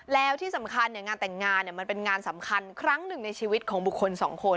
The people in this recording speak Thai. แล้วที่สำคัญงานแต่งงานมันเป็นงานสำคัญครั้งหนึ่งในชีวิตของบุคคลสองคน